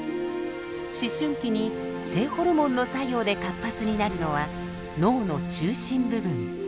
思春期に性ホルモンの作用で活発になるのは脳の中心部分。